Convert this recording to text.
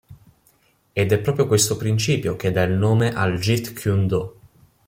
Ed è proprio questo principio che dà il nome al Jeet Kune Do.